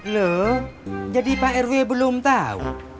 lu jadi pak rw belum tau